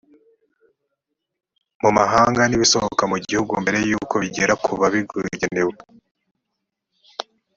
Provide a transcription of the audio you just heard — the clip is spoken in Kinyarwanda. mu mahanga n ibisohoka mu gihugu mbere y uko bigera ku bo bigenewe